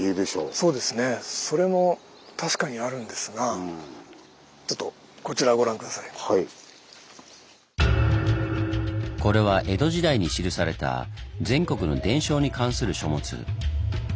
そうですねそれも確かにあるんですがちょっとこれは江戸時代に記された全国の伝承に関する書物。